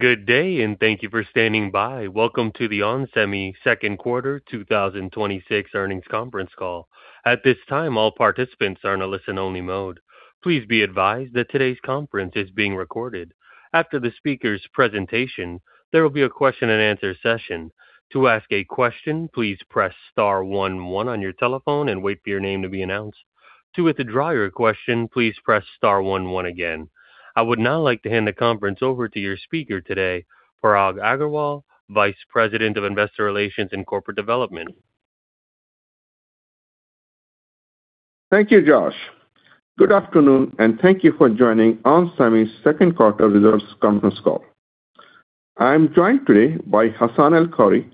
Good day, and thank you for standing by. Welcome to the ON Semi second quarter 2026 earnings conference call. At this time, all participants are in a listen-only mode. Please be advised that today's conference is being recorded. After the speaker's presentation, there will be a question-and-answer session. To ask a question, please press star one one on your telephone and wait for your name to be announced. To withdraw your question, please press star one one again. I would now like to hand the conference over to your speaker today, Parag Agarwal, Vice President of Investor Relations and Corporate Development. Thank you, Josh. Good afternoon, and thank you for joining ON Semi second quarter results conference call. I am joined today by Hassane El-Khoury,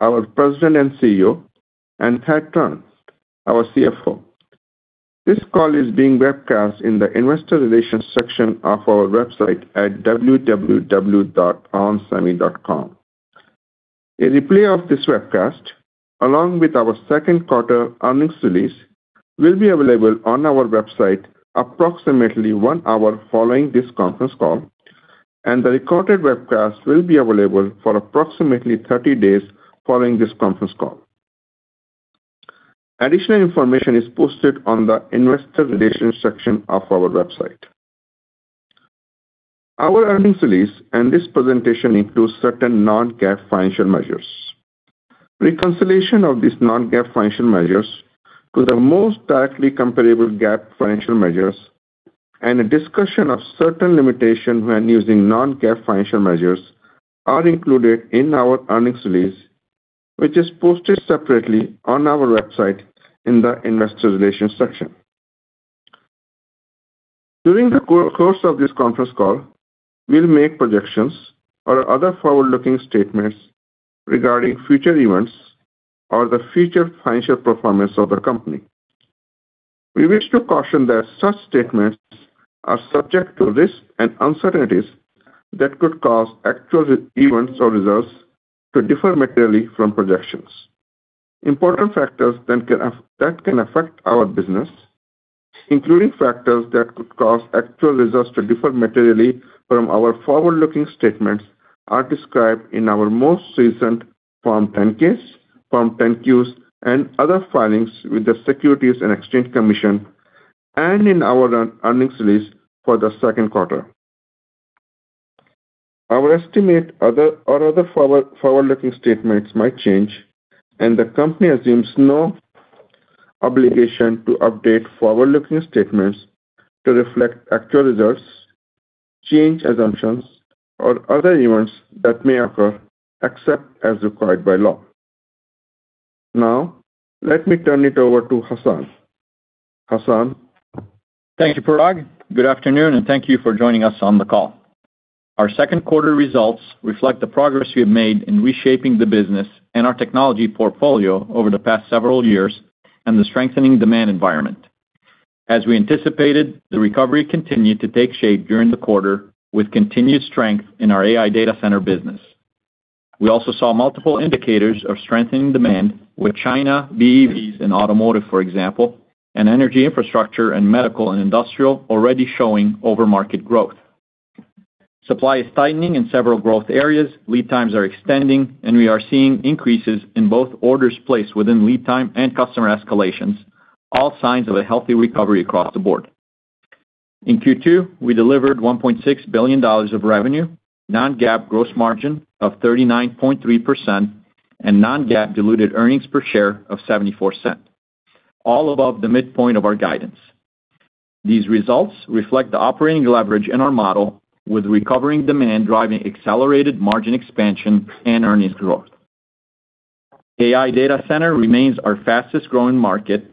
our President and CEO, and Thad Trent, our CFO. This call is being webcast in the investor relations section of our website at www.onsemi.com. A replay of this webcast, along with our second quarter earnings release, will be available on our website approximately one hour following this conference call, and the recorded webcast will be available for approximately 30 days following this conference call. Additional information is posted on the investor relations section of our website. Our earnings release and this presentation includes certain non-GAAP financial measures. Reconciliation of these non-GAAP financial measures to the most directly comparable GAAP financial measures and a discussion of certain limitations when using non-GAAP financial measures are included in our earnings release, which is posted separately on our website in the investor relations section. During the course of this conference call, we'll make projections or other forward-looking statements regarding future events or the future financial performance of the company. We wish to caution that such statements are subject to risks and uncertainties that could cause actual events or results to differ materially from projections. Important factors that can affect our business, including factors that could cause actual results to differ materially from our forward-looking statements, are described in our most recent Form 10-Ks, Form 10-Qs, and other filings with the Securities and Exchange Commission, and in our earnings release for the second quarter. Our estimate or other forward-looking statements might change, the company assumes no obligation to update forward-looking statements to reflect actual results, changed assumptions, or other events that may occur, except as required by law. Now, let me turn it over to Hassane. Hassane? Thank you, Parag. Good afternoon, and thank you for joining us on the call. Our second quarter results reflect the progress we have made in reshaping the business and our technology portfolio over the past several years and the strengthening demand environment. As we anticipated, the recovery continued to take shape during the quarter with continued strength in our AI data center business. We also saw multiple indicators of strengthening demand with China, BEVs, and automotive, for example, and energy infrastructure and medical and industrial already showing over-market growth. Supply is tightening in several growth areas, lead times are extending, and we are seeing increases in both orders placed within lead time and customer escalations, all signs of a healthy recovery across the board. In Q2, we delivered $1.6 billion of revenue, non-GAAP gross margin of 39.3%, and non-GAAP diluted earnings per share of $0.74, all above the midpoint of our guidance. These results reflect the operating leverage in our model with recovering demand driving accelerated margin expansion and earnings growth. AI data center remains our fastest-growing market.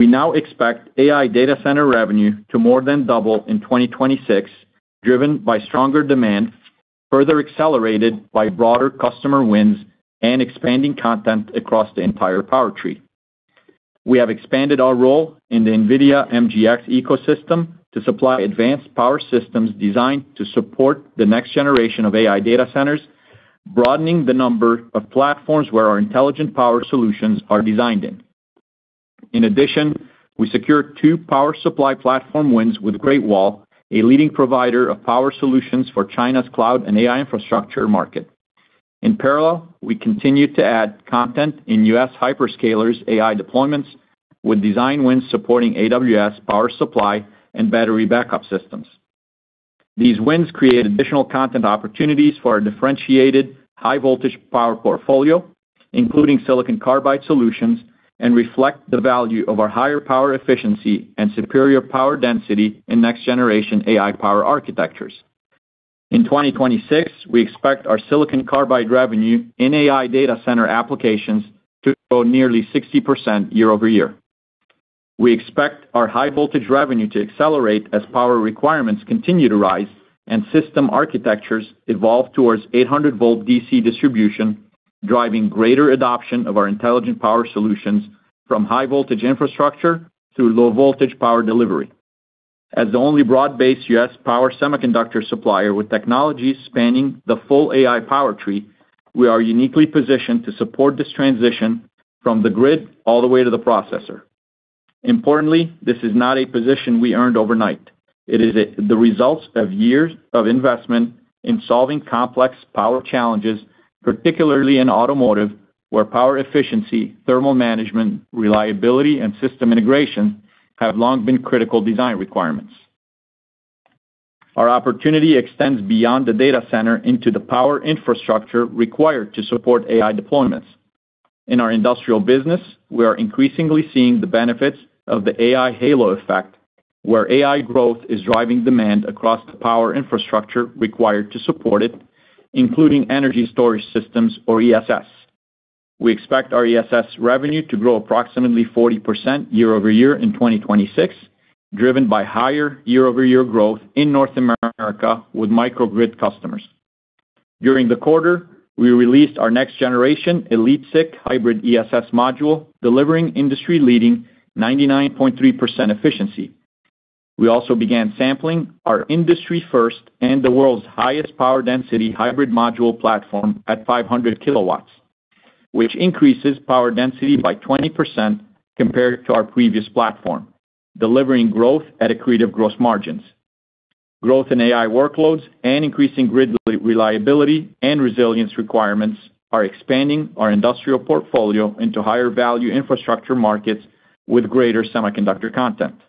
We now expect AI data center revenue to more than double in 2026, driven by stronger demand, further accelerated by broader customer wins and expanding content across the entire power tree. We have expanded our role in the Nvidia MGX ecosystem to supply advanced power systems designed to support the next generation of AI data centers, broadening the number of platforms where our intelligent power solutions are designed in. In addition, we secured two power supply platform wins with Great Wall, a leading provider of power solutions for China's cloud and AI infrastructure market. In parallel, we continue to add content in US hyperscalers AI deployments with design wins supporting AWS power supply and battery backup systems. These wins create additional content opportunities for our differentiated high voltage power portfolio, including silicon carbide solutions, and reflect the value of our higher power efficiency and superior power density in next generation AI power architectures. In 2026, we expect our silicon carbide revenue in AI data center applications to grow nearly 60% year-over-year. We expect our high voltage revenue to accelerate as power requirements continue to rise and system architectures evolve towards 800 volt DC distribution, driving greater adoption of our intelligent power solutions from high voltage infrastructure through low voltage power delivery. As the only broad-based US power semiconductor supplier with technologies spanning the full AI power tree, we are uniquely positioned to support this transition from the grid all the way to the processor. Importantly, this is not a position we earned overnight. It is the results of years of investment in solving complex power challenges, particularly in automotive, where power efficiency, thermal management, reliability, and system integration have long been critical design requirements. Our opportunity extends beyond the data center into the power infrastructure required to support AI deployments. In our industrial business, we are increasingly seeing the benefits of the AI halo effect, where AI growth is driving demand across the power infrastructure required to support it, including energy storage systems, or ESS. We expect our ESS revenue to grow approximately 40% year-over-year in 2026, driven by higher year-over-year growth in North America with microgrid customers. During the quarter, we released our next generation EliteSiC hybrid ESS module, delivering industry-leading 99.3% efficiency. We also began sampling our industry first and the world's highest power density hybrid module platform at 500 kW, which increases power density by 20% compared to our previous platform, delivering growth at accretive gross margins. Growth in AI workloads and increasing grid reliability and resilience requirements are expanding our industrial portfolio into higher value infrastructure markets with greater semiconductor content.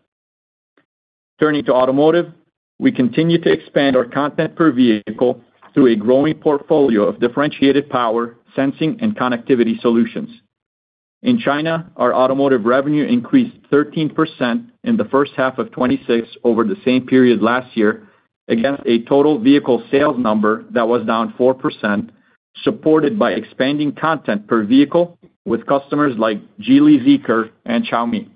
Turning to automotive, we continue to expand our content per vehicle through a growing portfolio of differentiated power, sensing, and connectivity solutions. In China, our automotive revenue increased 13% in the first half of 2026 over the same period last year, against a total vehicle sales number that was down 4%, supported by expanding content per vehicle with customers like Geely, Zeekr, and Xiaomi.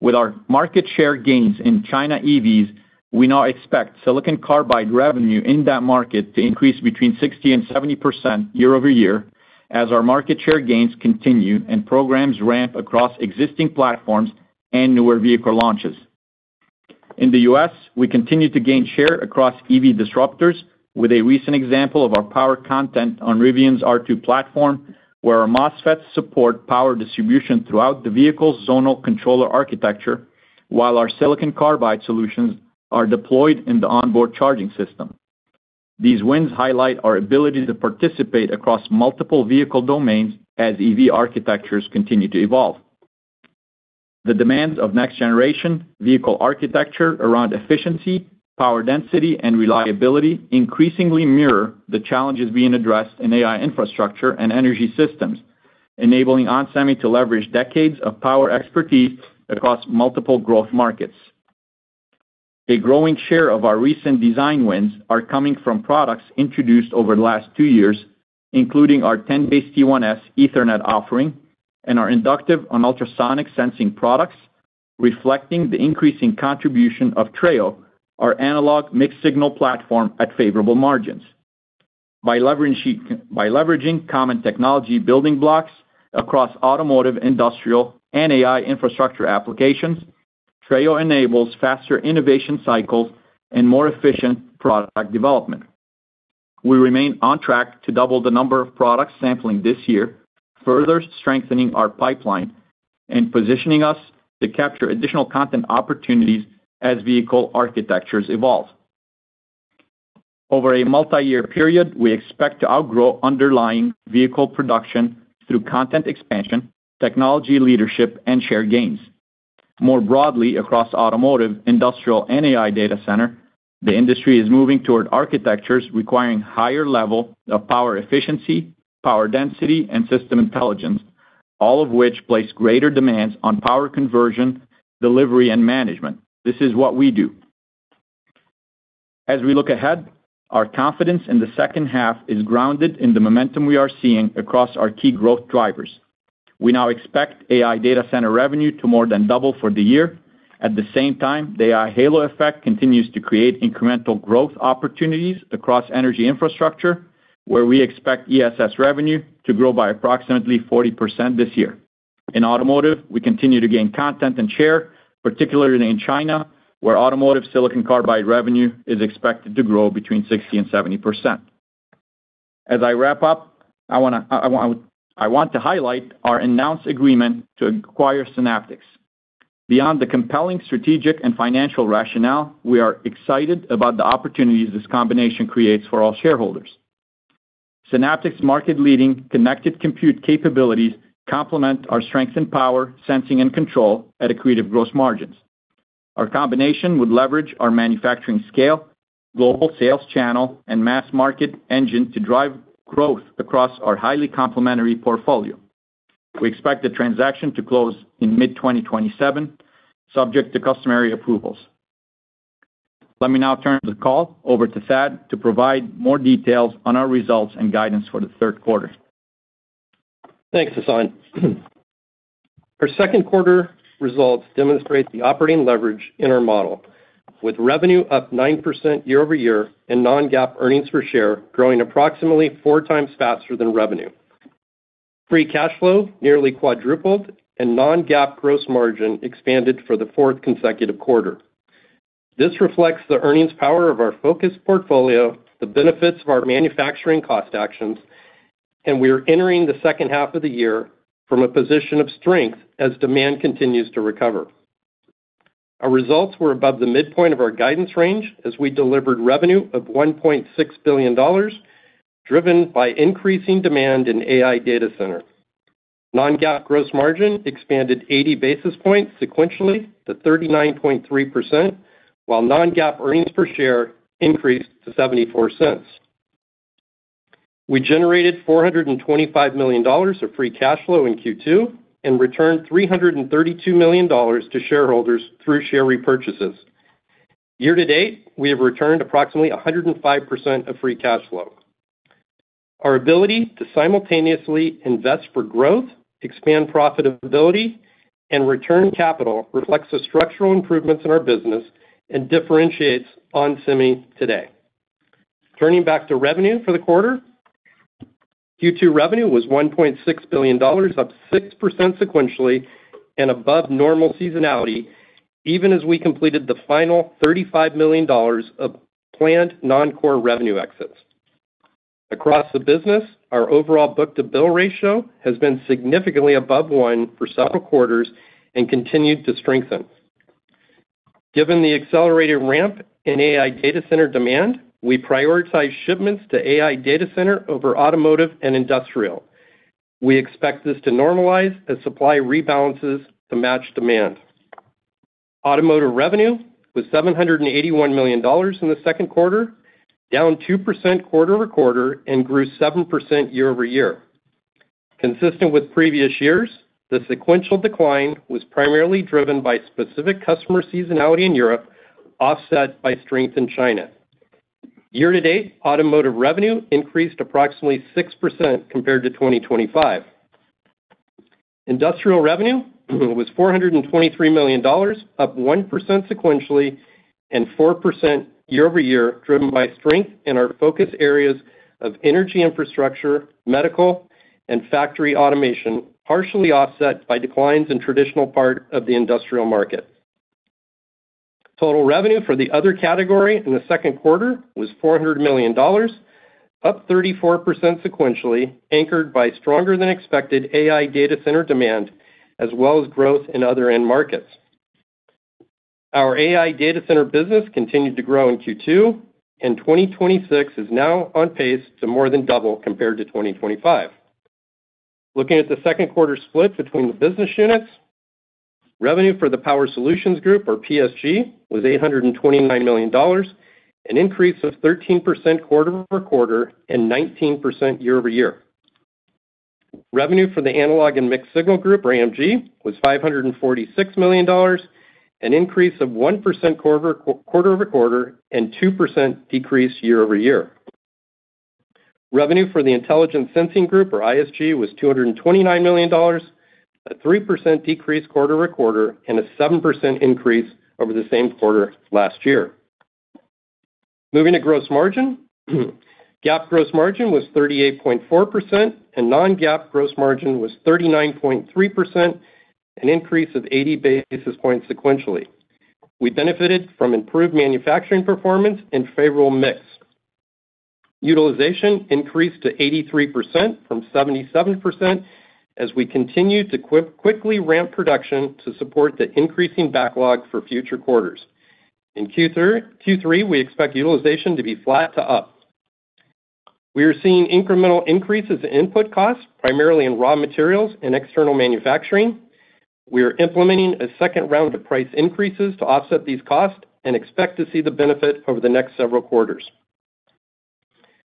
With our market share gains in China EVs, we now expect silicon carbide revenue in that market to increase between 60% and 70% year-over-year, as our market share gains continue and programs ramp across existing platforms and newer vehicle launches. In the U.S., we continue to gain share across EV disruptors with a recent example of our power content on Rivian's R2 platform, where our MOSFETs support power distribution throughout the vehicle's zonal controller architecture, while our silicon carbide solutions are deployed in the onboard charging system. These wins highlight our ability to participate across multiple vehicle domains as EV architectures continue to evolve. The demands of next generation vehicle architecture around efficiency, power density, and reliability increasingly mirror the challenges being addressed in AI infrastructure and energy systems, enabling onsemi to leverage decades of power expertise across multiple growth markets. A growing share of our recent design wins are coming from products introduced over the last two years, including our 10BASE-T1S Ethernet offering and our inductive and ultrasonic sensing products, reflecting the increasing contribution of Treo, our analog mixed-signal platform at favorable margins. By leveraging common technology building blocks across automotive, industrial, and AI infrastructure applications, Treo enables faster innovation cycles and more efficient product development. We remain on track to double the number of products sampling this year, further strengthening our pipeline and positioning us to capture additional content opportunities as vehicle architectures evolve. Over a multi-year period, we expect to outgrow underlying vehicle production through content expansion, technology leadership, and share gains. More broadly across automotive, industrial, and AI data center, the industry is moving toward architectures requiring higher level of power efficiency, power density, and system intelligence, all of which place greater demands on power conversion, delivery, and management. This is what we do. As we look ahead, our confidence in the second half is grounded in the momentum we are seeing across our key growth drivers. We now expect AI data center revenue to more than double for the year. At the same time, the AI halo effect continues to create incremental growth opportunities across energy infrastructure, where we expect ESS revenue to grow by approximately 40% this year. In automotive, we continue to gain content and share, particularly in China, where automotive silicon carbide revenue is expected to grow between 60% and 70%. As I wrap up, I want to highlight our announced agreement to acquire Synaptics. Beyond the compelling strategic and financial rationale, we are excited about the opportunities this combination creates for all shareholders. Synaptics' market-leading connected compute capabilities complement our strength in power, sensing, and control at accretive gross margins. Our combination would leverage our manufacturing scale, global sales channel, and mass market engine to drive growth across our highly complementary portfolio. We expect the transaction to close in mid-2027, subject to customary approvals. Let me now turn the call over to Thad to provide more details on our results and guidance for the third quarter. Thanks, Hassane. Our second quarter results demonstrate the operating leverage in our model, with revenue up 9% year-over-year and non-GAAP earnings per share growing approximately four times faster than revenue. Free cash flow nearly quadrupled and non-GAAP gross margin expanded for the fourth consecutive quarter. This reflects the earnings power of our focused portfolio, the benefits of our manufacturing cost actions, and we are entering the second half of the year from a position of strength as demand continues to recover. Our results were above the midpoint of our guidance range as we delivered revenue of $1.6 billion, driven by increasing demand in AI data center. Non-GAAP gross margin expanded 80 basis points sequentially to 39.3%, while non-GAAP earnings per share increased to $0.74. We generated $425 million of free cash flow in Q2 and returned $332 million to shareholders through share repurchases. Year-to-date, we have returned approximately 105% of free cash flow. Our ability to simultaneously invest for growth, expand profitability, and return capital reflects the structural improvements in our business and differentiates onsemi today. Turning back to revenue for the quarter, Q2 revenue was $1.6 billion, up 6% sequentially and above normal seasonality, even as we completed the final $35 million of planned non-core revenue exits. Across the business, our overall book-to-bill ratio has been significantly above one for several quarters and continued to strengthen. Given the accelerated ramp in AI data center demand, we prioritize shipments to AI data center over automotive and industrial. We expect this to normalize as supply rebalances to match demand. Automotive revenue was $781 million in the second quarter, down 2% quarter-over-quarter and grew 7% year-over-year. Consistent with previous years, the sequential decline was primarily driven by specific customer seasonality in Europe, offset by strength in China. Year-to-date, automotive revenue increased approximately 6% compared to 2025. Industrial revenue was $423 million, up 1% sequentially and 4% year-over-year, driven by strength in our focus areas of energy infrastructure, medical, and factory automation, partially offset by declines in traditional part of the industrial market. Total revenue for the other category in the second quarter was $400 million, up 34% sequentially, anchored by stronger than expected AI data center demand, as well as growth in other end markets. Our AI data center business continued to grow in Q2, and 2026 is now on pace to more than double compared to 2025. Looking at the second quarter split between the business units, revenue for the Power Solutions Group, or PSG, was $829 million, an increase of 13% quarter-over-quarter and 19% year-over-year. Revenue for the Analog and Mixed-Signal Group, AMG, was $546 million, an increase of 1% quarter-over-quarter and 2% decrease year-over-year. Revenue for the Intelligent Sensing Group, or ISG, was $229 million, a 3% decrease quarter-over-quarter and a 7% increase over the same quarter last year. Moving to gross margin. GAAP gross margin was 38.4%, and non-GAAP gross margin was 39.3%, an increase of 80 basis points sequentially. We benefited from improved manufacturing performance and favorable mix. Utilization increased to 83% from 77% as we continued to quickly ramp production to support the increasing backlog for future quarters. In Q3, we expect utilization to be flat to up. We are seeing incremental increases in input costs, primarily in raw materials and external manufacturing. We are implementing a second round of price increases to offset these costs and expect to see the benefit over the next several quarters.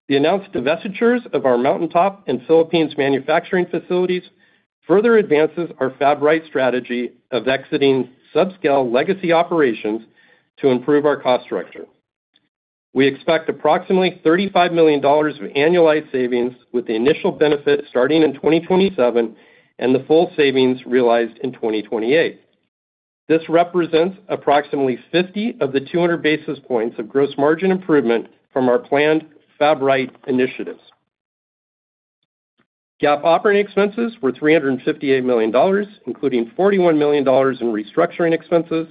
The announced divestitures of our Mountain Top and Philippines manufacturing facilities further advances our FabRight strategy of exiting subscale legacy operations to improve our cost structure. We expect approximately $35 million of annualized savings with the initial benefit starting in 2027 and the full savings realized in 2028. This represents approximately 50 of the 200 basis points of gross margin improvement from our planned FabRight initiatives. GAAP operating expenses were $358 million, including $41 million in restructuring expenses,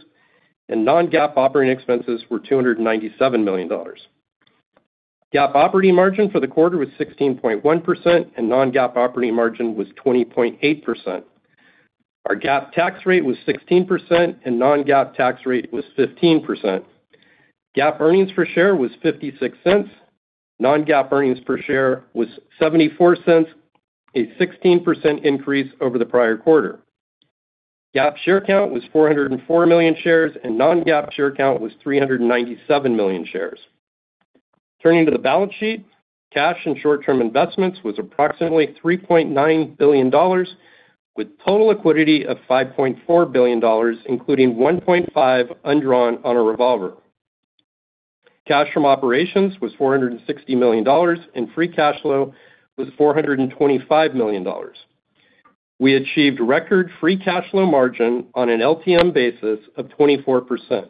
and non-GAAP operating expenses were $297 million. GAAP operating margin for the quarter was 16.1%, and non-GAAP operating margin was 20.8%. Our GAAP tax rate was 16%, and non-GAAP tax rate was 15%. GAAP earnings per share was $0.56. Non-GAAP earnings per share was $0.74, a 16% increase over the prior quarter. GAAP share count was 404 million shares, and non-GAAP share count was 397 million shares. Turning to the balance sheet, cash and short-term investments was approximately $3.9 billion, with total liquidity of $5.4 billion, including $1.5 billion undrawn on a revolver. Cash from operations was $460 million, and free cash flow was $425 million. We achieved record free cash flow margin on an LTM basis of 24%.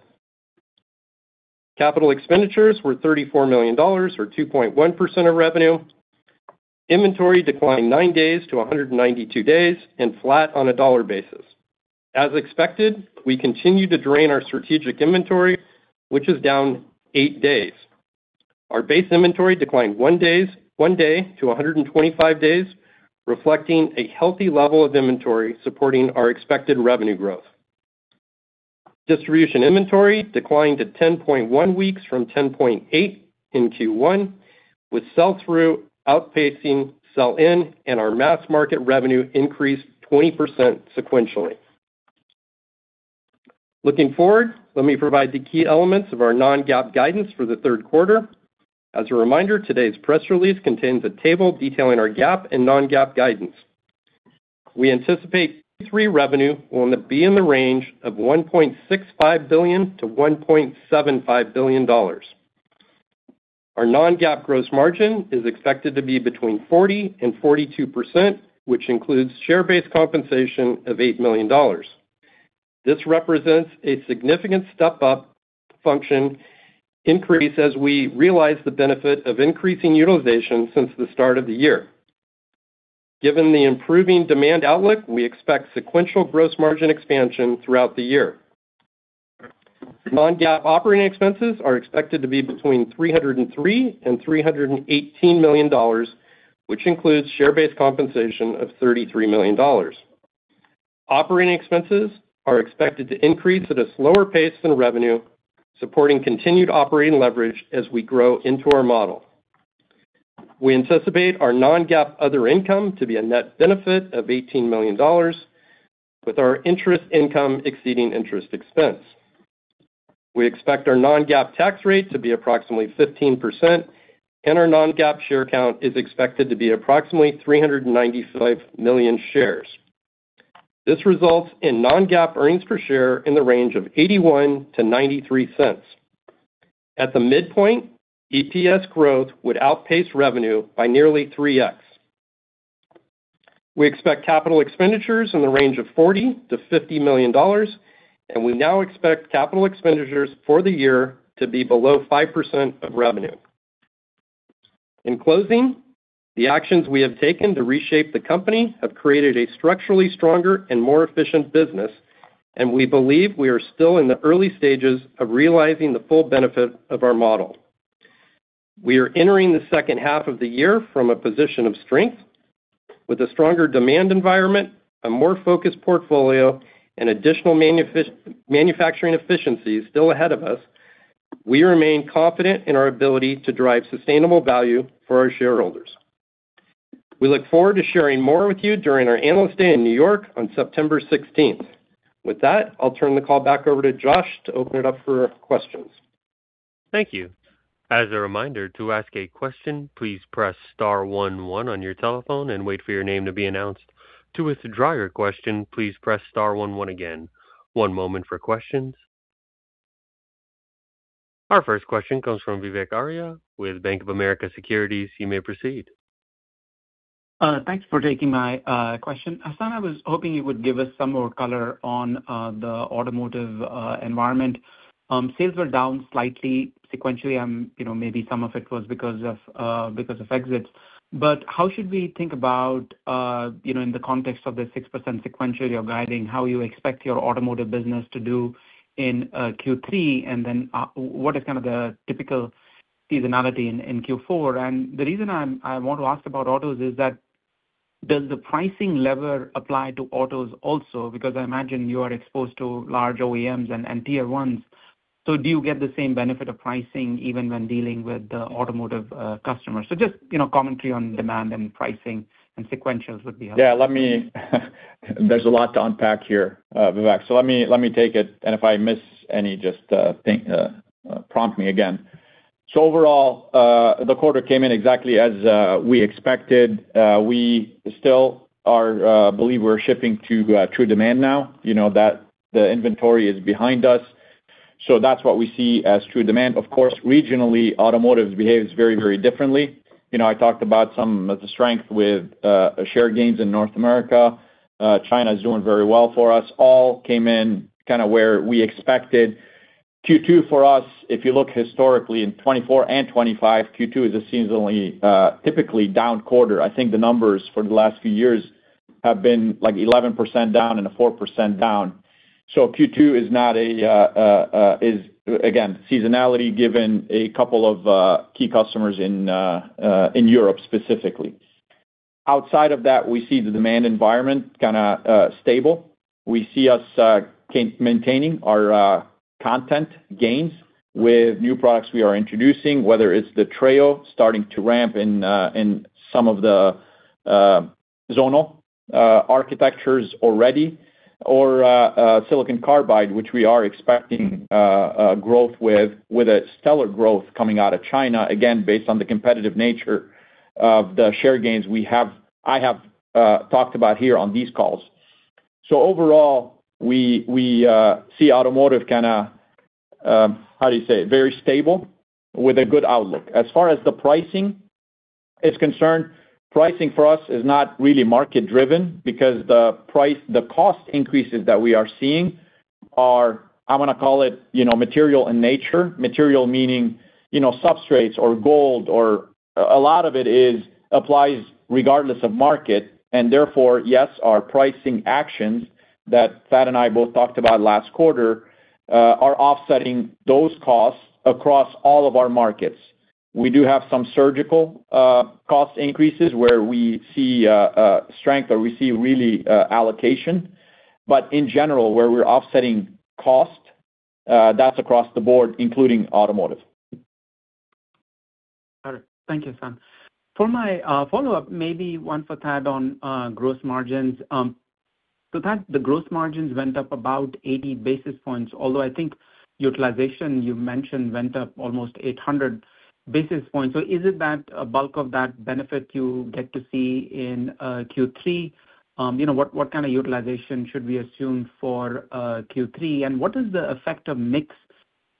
Capital expenditures were $34 million or 2.1% of revenue. Inventory declined 9 days to 192 days and flat on a dollar basis. As expected, we continue to drain our strategic inventory, which is down eight days. Our base inventory declined one day to 125 days, reflecting a healthy level of inventory supporting our expected revenue growth. Distribution inventory declined to 10.1 weeks from 10.8 in Q1, with sell-through outpacing sell-in, and our mass market revenue increased 20% sequentially. Looking forward, let me provide the key elements of our non-GAAP guidance for the third quarter. As a reminder, today's press release contains a table detailing our GAAP and non-GAAP guidance. We anticipate Q3 revenue will be in the range of $1.65 billion-$1.75 billion. Our non-GAAP gross margin is expected to be between 40% and 42%, which includes share-based compensation of $8 million. This represents a significant step-up function increase as we realize the benefit of increasing utilization since the start of the year. Given the improving demand outlook, we expect sequential gross margin expansion throughout the year. Non-GAAP operating expenses are expected to be between $303 million and $318 million, which includes share-based compensation of $33 million. Operating expenses are expected to increase at a slower pace than revenue, supporting continued operating leverage as we grow into our model. We anticipate our non-GAAP other income to be a net benefit of $18 million, with our interest income exceeding interest expense. We expect our non-GAAP tax rate to be approximately 15%, and our non-GAAP share count is expected to be approximately 395 million shares. This results in non-GAAP earnings per share in the range of $0.81-$0.93. At the midpoint, EPS growth would outpace revenue by nearly 3x. We expect capital expenditures in the range of $40 million-$50 million, and we now expect capital expenditures for the year to be below 5% of revenue. In closing, the actions we have taken to reshape the company have created a structurally stronger and more efficient business, we believe we are still in the early stages of realizing the full benefit of our model. We are entering the second half of the year from a position of strength. With a stronger demand environment, a more focused portfolio, and additional manufacturing efficiencies still ahead of us, we remain confident in our ability to drive sustainable value for our shareholders. We look forward to sharing more with you during our Analyst Day in New York on September 16th. With that, I'll turn the call back over to Josh to open it up for questions. Thank you. As a reminder, to ask a question, please press star one one on your telephone and wait for your name to be announced. To withdraw your question, please press star one one again. One moment for questions. Our first question comes from Vivek Arya with Bank of America Securities. You may proceed. Thanks for taking my question. Hassane, I was hoping you would give us some more color on the automotive environment. Sales were down slightly sequentially, maybe some of it was because of exits. How should we think about, in the context of the 6% sequentially you're guiding, how you expect your automotive business to do in Q3? What is kind of the typical seasonality in Q4? The reason I want to ask about autos is that does the pricing lever apply to autos also? Because I imagine you are exposed to large OEMs and tier ones. Do you get the same benefit of pricing even when dealing with the automotive customers? So just commentary on demand and pricing and sequentials would be helpful. Yeah, there's a lot to unpack here, Vivek. Let me take it, and if I miss any, just prompt me again. Overall, the quarter came in exactly as we expected. We still believe we're shipping to true demand now. The inventory is behind us, that's what we see as true demand. Of course, regionally, automotive behaves very differently. I talked about some of the strength with share gains in North America. China is doing very well for us. All came in kind of where we expected. Q2 for us, if you look historically in 2024 and 2025, Q2 is a seasonally typically down quarter. I think the numbers for the last few years have been 11% down and a 4% down. Q2 is, again, seasonality, given a couple of key customers in Europe specifically. Outside of that, we see the demand environment kind of stable. We see us maintaining our content gains with new products we are introducing, whether it's the Treo starting to ramp in some of the zonal architectures already, or silicon carbide, which we are expecting growth with a stellar growth coming out of China, again, based on the competitive nature of the share gains I have talked about here on these calls. Overall, we see automotive kind of, how do you say, very stable with a good outlook. As far as the pricing is concerned, pricing for us is not really market-driven because the cost increases that we are seeing are, I'm going to call it material in nature. Material meaning substrates or gold, or a lot of it applies regardless of market, therefore, yes, our pricing actions that Thad and I both talked about last quarter, are offsetting those costs across all of our markets. We do have some surgical cost increases where we see strength or we see really allocation. In general, where we're offsetting cost, that's across the board, including automotive. All right. Thank you, Hassane. For my follow-up, maybe one for Thad on gross margins. Thad, the gross margins went up about 80 basis points, although I think utilization, you mentioned, went up almost 800 basis points. Is it that a bulk of that benefit you get to see in Q3? What kind of utilization should we assume for Q3, and what is the effect of mix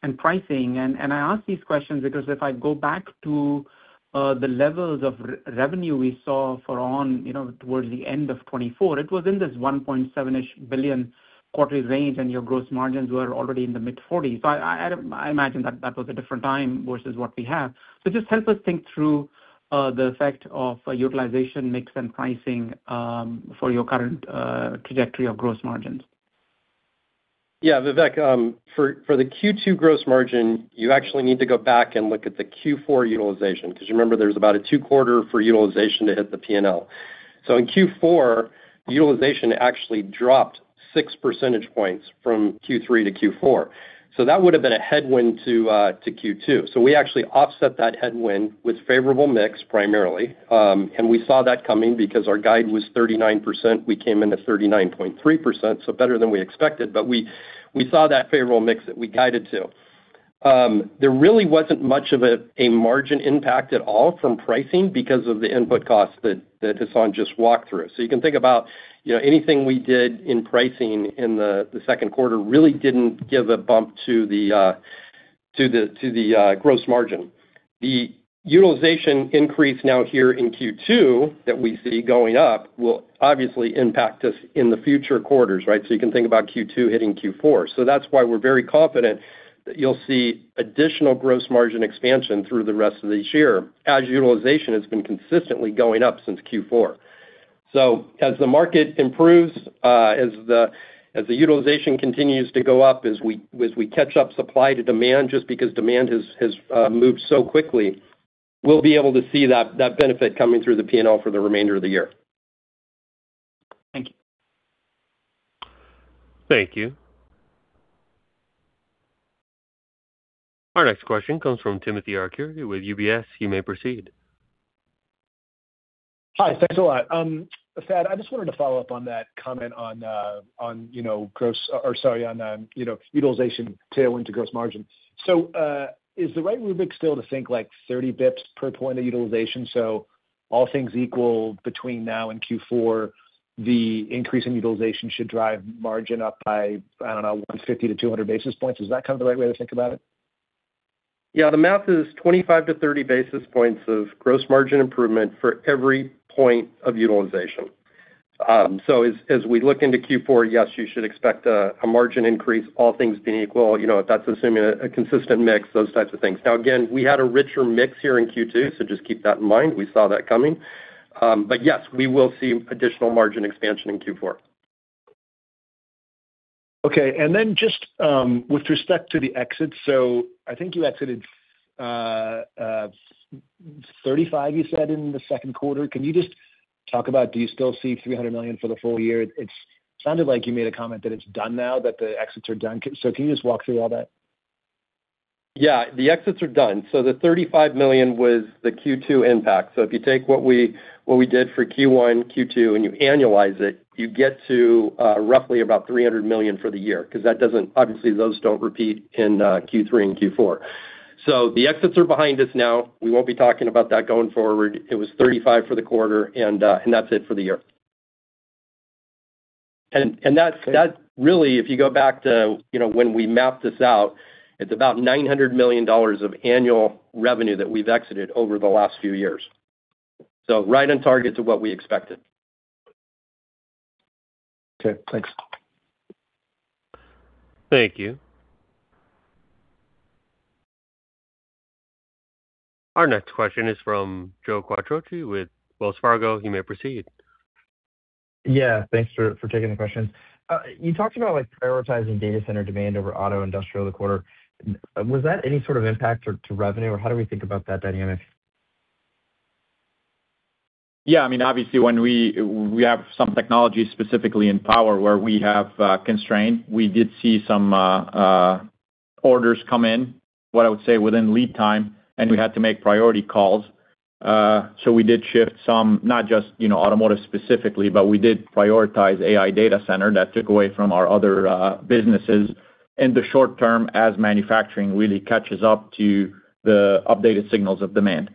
and pricing? I ask these questions because if I go back to the levels of revenue we saw for onsemi towards the end of 2024, it was in this $1.7 billion-ish quarterly range, and your gross margins were already in the mid-40s. I imagine that was a different time versus what we have. Just help us think through the effect of utilization mix and pricing for your current trajectory of gross margins. Vivek, for the Q2 gross margin, you actually need to go back and look at the Q4 utilization. Remember, there's about a two quarter for utilization to hit the P&L. In Q4, utilization actually dropped six percentage points from Q3-Q4. That would've been a headwind to Q2. We actually offset that headwind with favorable mix primarily. We saw that coming because our guide was 39%, we came in at 39.3%, better than we expected. We saw that favorable mix that we guided to. There really wasn't much of a margin impact at all from pricing because of the input costs that Hassane just walked through. You can think about anything we did in pricing in the second quarter really didn't give a bump to the gross margin. The utilization increase now here in Q2 that we see going up will obviously impact us in the future quarters, right? You can think about Q2 hitting Q4. That's why we're very confident that you'll see additional gross margin expansion through the rest of this year as utilization has been consistently going up since Q4. As the market improves, as the utilization continues to go up, as we catch up supply to demand, just because demand has moved so quickly, we'll be able to see that benefit coming through the P&L for the remainder of the year. Thank you. Thank you. Our next question comes from Timothy Arcuri with UBS. You may proceed. Hi. Thanks a lot. Thad, I just wanted to follow up on that comment on utilization tailwind to gross margin. Is the right rubric still to think like 30 basis points per point of utilization? All things equal between now and Q4, the increase in utilization should drive margin up by, I don't know, 150-200 basis points. Is that kind of the right way to think about it? Yeah. The math is 25-30 basis points of gross margin improvement for every point of utilization. As we look into Q4, yes, you should expect a margin increase, all things being equal. That's assuming a consistent mix, those types of things. Again, we had a richer mix here in Q2, just keep that in mind. We saw that coming. Yes, we will see additional margin expansion in Q4. Okay. Just with respect to the exits, I think you exited $35, you said, in the second quarter. Can you just talk about, do you still see $300 million for the full year? It sounded like you made a comment that it's done now, that the exits are done. Can you just walk through all that? Yeah. The exits are done. The $35 million was the Q2 impact. If you take what we did for Q1, Q2, and you annualize it, you get to roughly about $300 million for the year, because obviously, those don't repeat in Q3 and Q4. The exits are behind us now. We won't be talking about that going forward. It was $35 for the quarter, and that's it for the year. That really, if you go back to when we mapped this out, it's about $900 million of annual revenue that we've exited over the last few years. Right on target to what we expected. Okay, thanks. Thank you. Our next question is from Joseph Quattrocchi with Wells Fargo. You may proceed. Yeah. Thanks for taking the question. You talked about prioritizing data center demand over auto industrial this quarter. Was that any sort of impact to revenue? Or how do we think about that dynamic? Yeah. Obviously, when we have some technology specifically in power where we have constraint, we did see some orders come in, what I would say within lead time, and we had to make priority calls. We did shift some, not just automotive specifically, but we did prioritize AI data center that took away from our other businesses in the short term as manufacturing really catches up to the updated signals of demand.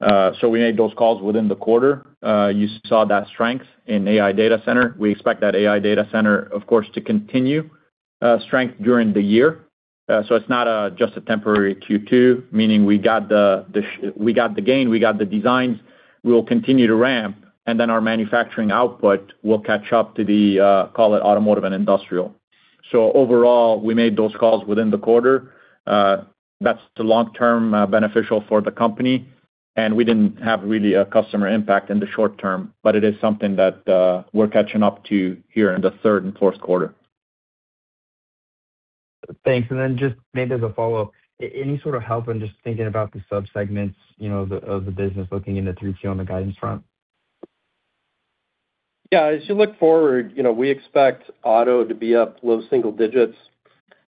We made those calls within the quarter. You saw that strength in AI data center. We expect that AI data center, of course, to continue strength during the year. It's not just a temporary Q2, meaning we got the gain, we got the designs. We will continue to ramp, and then our manufacturing output will catch up to the, call it automotive and industrial. Overall, we made those calls within the quarter. That's long-term beneficial for the company, and we didn't have really a customer impact in the short term, but it is something that we're catching up to here in the third and fourth quarter. Thanks. Just maybe as a follow-up, any sort of help in just thinking about the sub-segments of the business, looking into 3Q on the guidance front? Yeah. As you look forward, we expect auto to be up low single digits,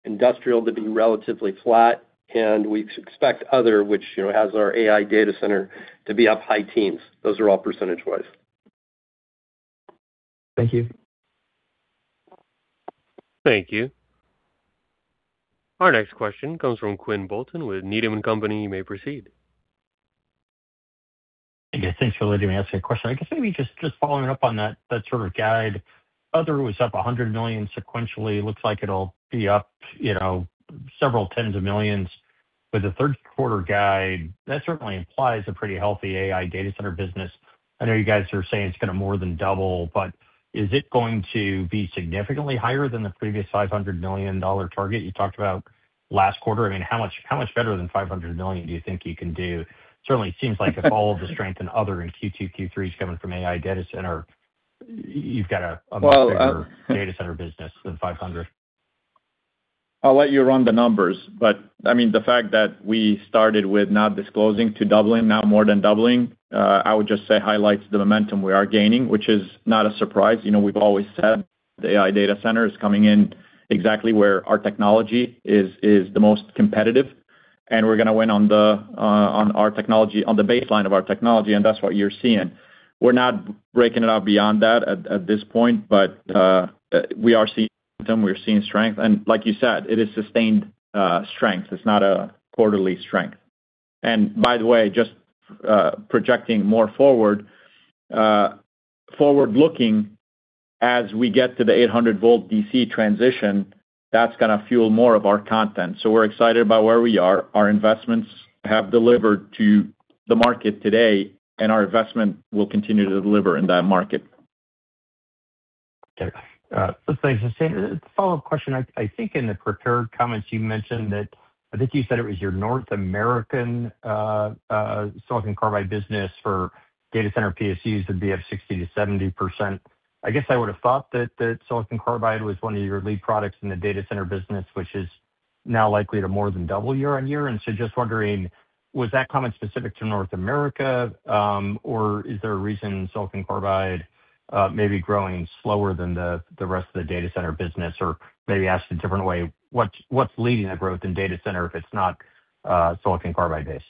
industrial to be relatively flat, and we expect other, which has our AI data center, to be up high teens. Those are all percentage-wise. Thank you. Thank you. Our next question comes from Quinn Bolton with Needham & Company. You may proceed. Hey, guys. Thanks for letting me ask a question. I guess maybe just following up on that sort of guide. Other was up $100 million sequentially. Looks like it'll be up several tens of millions with the third quarter guide. That certainly implies a pretty healthy AI data center business. I know you guys are saying it's going to more than double, but is it going to be significantly higher than the previous $500 million target you talked about last quarter? I mean, how much better than $500 million do you think you can do? Certainly it seems like if all of the strength in other in Q2, Q3 is coming from AI data center, you've got a much bigger data center business than $500 million. I'll let you run the numbers. The fact that we started with not disclosing to doubling, now more than doubling, I would just say highlights the momentum we are gaining, which is not a surprise. We've always said the AI data center is coming in exactly where our technology is the most competitive, and we're going to win on the baseline of our technology, and that's what you're seeing. We're not breaking it out beyond that at this point. We are seeing them, we are seeing strength. Like you said, it is sustained strength. It's not a quarterly strength. By the way, just projecting more forward-looking, as we get to the 800 volt DC transition, that's going to fuel more of our content. We're excited about where we are. Our investments have delivered to the market today, our investment will continue to deliver in that market. Got it. Thanks. A follow-up question. I think in the prepared comments you mentioned that, I think you said it was your North American silicon carbide business for data center PSUs would be up 60%-70%. I guess I would have thought that silicon carbide was one of your lead products in the data center business, which is now likely to more than double year-over-year. Just wondering, was that comment specific to North America, or is there a reason silicon carbide may be growing slower than the rest of the data center business? Or maybe asked a different way, what's leading the growth in data center if it's not silicon carbide-based?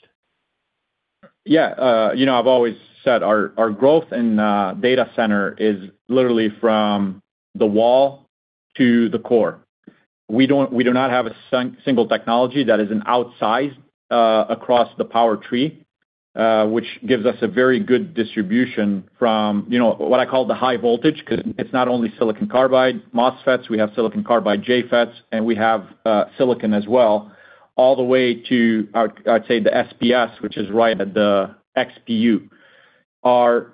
Yeah. I've always said our growth in data center is literally from the wall to the core. We do not have a single technology that isn't outsized across the power tree, which gives us a very good distribution from what I call the high voltage, because it's not only silicon carbide MOSFETs, we have silicon carbide JFET, and we have silicon as well, all the way to, I'd say, the SPS, which is right at the XPU. Our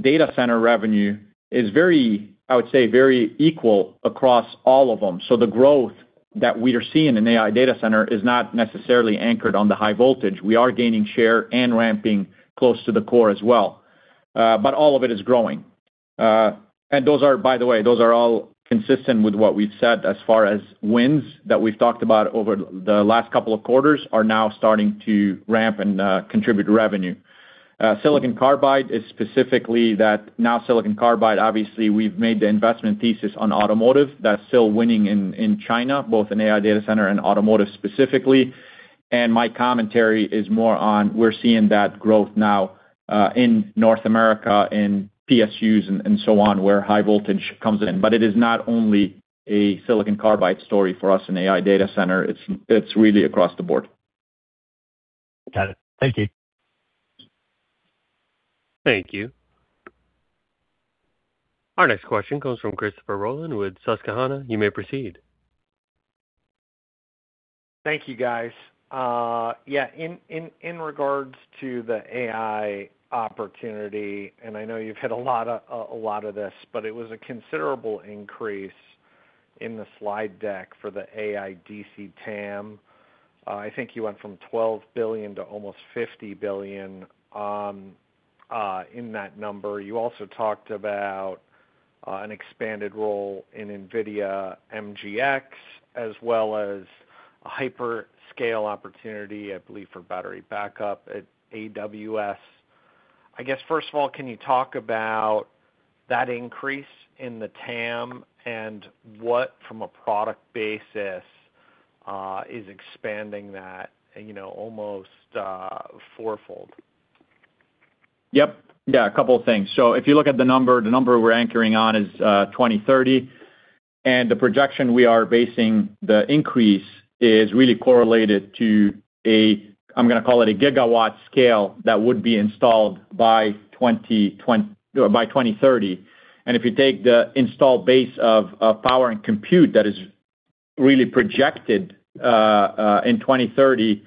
data center revenue is very, I would say, very equal across all of them. The growth that we are seeing in AI data center is not necessarily anchored on the high voltage. We are gaining share and ramping close to the core as well. All of it is growing. Those are, by the way, those are all consistent with what we've said as far as wins that we've talked about over the last couple of quarters are now starting to ramp and contribute to revenue. Silicon carbide is specifically that now silicon carbide, obviously, we've made the investment thesis on automotive that's still winning in China, both in AI data center and automotive specifically. My commentary is more on we're seeing that growth now, in North America, in PSUs and so on, where high voltage comes in. It is not only a silicon carbide story for us in AI data center, it's really across the board. Got it. Thank you. Thank you. Our next question comes from Christopher Rolland with Susquehanna. You may proceed. Thank you, guys. Yeah. In regards to the AI opportunity, and I know you've hit a lot of this, but it was a considerable increase in the slide deck for the AI DC TAM. I think you went from $12 billion to almost $50 billion in that number. You also talked about an expanded role in Nvidia MGX as well as a hyperscale opportunity, I believe, for battery backup at AWS. I guess, first of all, can you talk about that increase in the TAM and what from a product basis, is expanding that almost fourfold? Yep. Yeah, a couple of things. If you look at the number, the number we're anchoring on is 2030, and the projection we are basing the increase is really correlated to a, I'm going to call it a gigawatt scale that would be installed by 2030. If you take the install base of power and compute that is Really projected in 2030,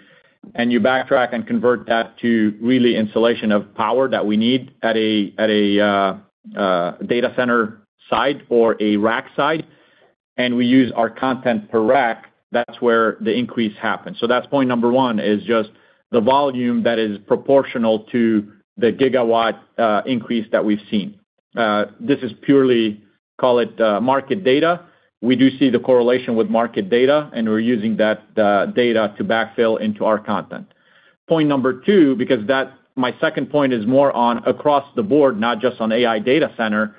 and you backtrack and convert that to really installation of power that we need at a data center site or a rack site, and we use our content per rack, that's where the increase happens. That's point one is just the volume that is proportional to the gigawatt increase that we've seen. This is purely, call it, market data. We do see the correlation with market data, and we're using that data to backfill into our content. Point two, because my second point is more on across the board, not just on AI data center,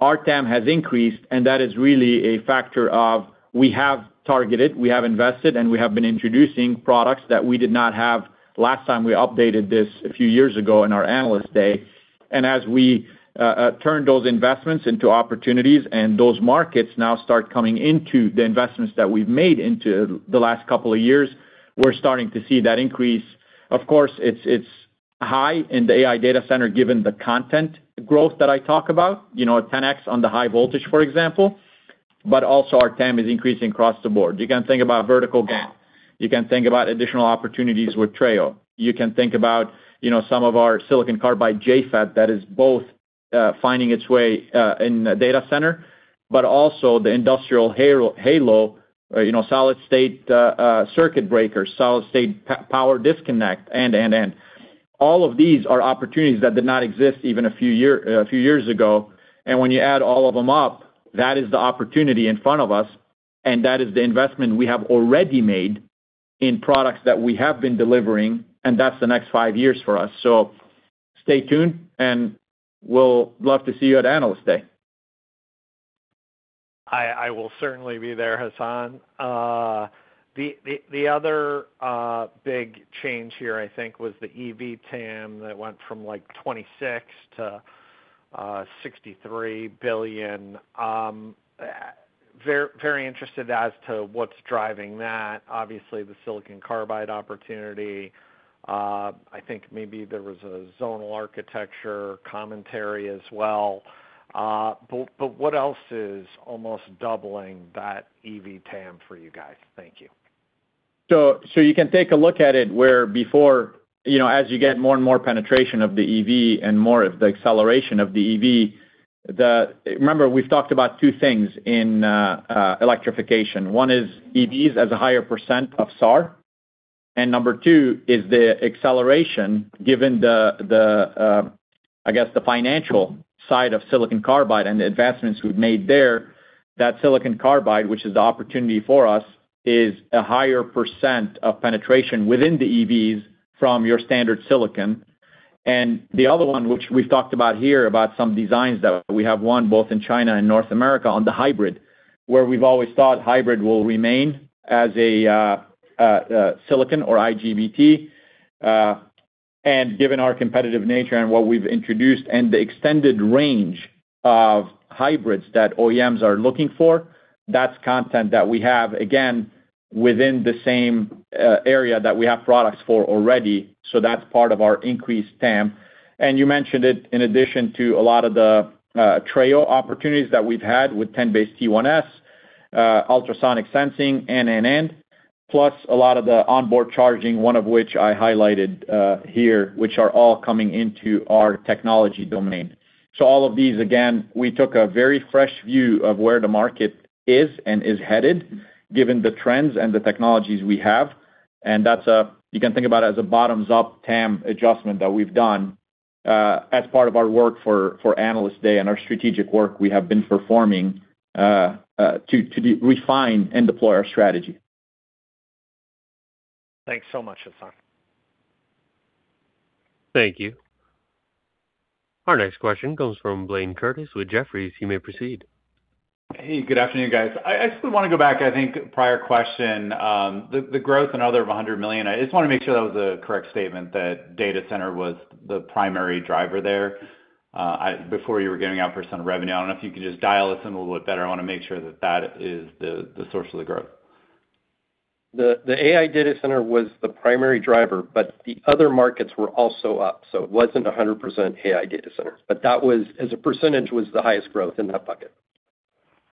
our TAM has increased, and that is really a factor of we have targeted, we have invested, and we have been introducing products that we did not have last time we updated this a few years ago in our Analyst Day. As we turn those investments into opportunities and those markets now start coming into the investments that we've made into the last couple of years, we're starting to see that increase. Of course, it's high in the AI data center, given the content growth that I talk about, 10x on the high voltage, for example, but also our TAM is increasing across the board. You can think about vertical GaN. You can think about additional opportunities with Treo. You can think about some of our silicon carbide JFET that is both finding its way in data center, but also the industrial halo, solid-state circuit breaker, solid-state power disconnect, and, and. All of these are opportunities that did not exist even a few years ago. When you add all of them up, that is the opportunity in front of us, and that is the investment we have already made in products that we have been delivering, and that's the next five years for us. Stay tuned, and we'll love to see you at Analyst Day. I will certainly be there, Hassane. The other big change here, I think, was the EV TAM that went from $26 billion-$63 billion. Very interested as to what's driving that. Obviously, the silicon carbide opportunity. I think maybe there was a zonal architecture commentary as well. What else is almost doubling that EV TAM for you guys? Thank you. You can take a look at it where before, as you get more and more penetration of the EV and more of the acceleration of the EV, remember, we've talked about two things in electrification. One is EVs as a higher percent of SAR, and number two is the acceleration given the, I guess, the financial side of silicon carbide and the advancements we've made there, that silicon carbide, which is the opportunity for us, is a higher percent of penetration within the EVs from your standard silicon. The other one, which we've talked about here, about some designs that we have won both in China and North America on the hybrid, where we've always thought hybrid will remain as a silicon or IGBT. Given our competitive nature and what we've introduced and the extended range of hybrids that OEMs are looking for, that's content that we have, again, within the same area that we have products for already. That's part of our increased TAM. You mentioned it in addition to a lot of the Treo opportunities that we've had with 10BASE-T1S, ultrasonic sensing, and, and, plus a lot of the onboard charging, one of which I highlighted here, which are all coming into our technology domain. All of these, again, we took a very fresh view of where the market is and is headed given the trends and the technologies we have. You can think about it as a bottoms-up TAM adjustment that we've done as part of our work for Analyst Day and our strategic work we have been performing to refine and deploy our strategy. Thanks so much, Hassane. Thank you. Our next question comes from Blayne Curtis with Jefferies. You may proceed. Hey, good afternoon, guys. I just want to go back, I think, prior question, the growth in other of $100 million, I just want to make sure that was a correct statement that data center was the primary driver there before you were giving out percent of revenue. I don't know if you could just dial us in a little bit better. I want to make sure that that is the source of the growth. The AI data center was the primary driver, but the other markets were also up, it wasn't 100% AI data centers. That was, as a percentage, was the highest growth in that bucket.